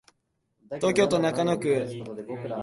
東京都中野区